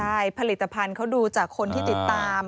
ใช่ผลิตภัณฑ์เขาดูจากคนที่ติดตาม